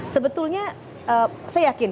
sebetulnya saya yakin